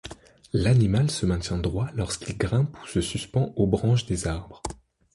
L’animal se maintient droit lorsqu’il grimpe ou se suspend aux branches des arbres.